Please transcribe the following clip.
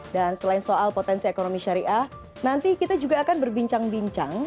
dan selain soal potensi ekonomi syariah nanti kita juga akan berbincang bincang